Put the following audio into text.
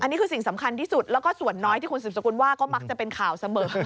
นี่คือสิ่งสำคัญที่สุดแล้วก็ส่วนน้อยที่คุณสืบสกุลว่าก็มักจะเป็นข่าวเสมอ